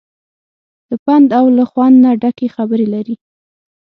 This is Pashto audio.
له پند او له خوند نه ډکې خبرې لري.